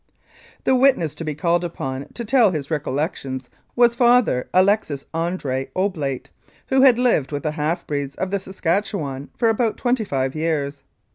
The next witness to be called upon to tell his recollec tions was Father Alexis Andre*, Oblate, who had lived with the half breeds of the Saskatchewan for about twenty five years.